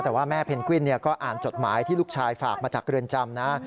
แต่ว่าแม่เพนกวินก็อ่านจดหมายที่ลูกชายฝากมาจากเรือนจำนะ